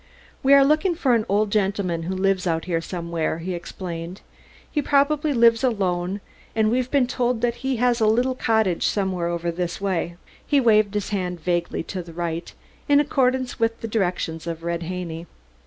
"We are looking for an old gentleman who lives out here somewhere," he explained. "He probably lives alone, and we've been told that he has a little cottage somewhere over this way." He waved his hand vaguely to the right, in accordance with the directions of Red Haney.